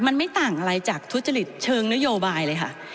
มันไม่ต่างอะไรจากทุจริตเชิงนโยบายเลยค่ะ